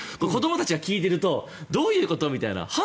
子どもたちが聞いているとどういうこと？みたいな。